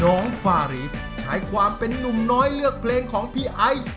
ฟาริสใช้ความเป็นนุ่มน้อยเลือกเพลงของพี่ไอซ์